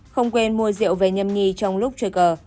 không quên mua rượu về nhâm nhi trong lúc chơi cờ